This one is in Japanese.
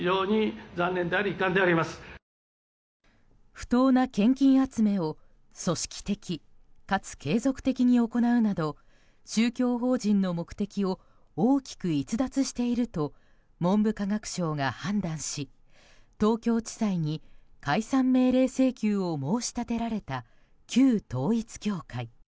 不当な献金集めを組織的かつ継続的に行うなど宗教法人の目的を大きく逸脱していると文部科学省が判断し東京地裁に解散命令請求を申し立てられた旧統一教会。